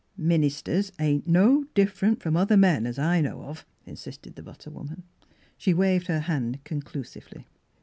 " Minister's ain't no different from other men, as I know of," insisted the butter woman. She waved her hand conclusively.